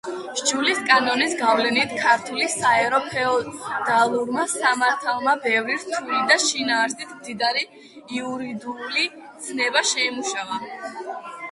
სჯულისკანონის გავლენით ქართული საერო ფეოდალურმა სამართალმა ბევრი რთული და შინაარსით მდიდარი იურიდიული ცნება შეიმუშავა.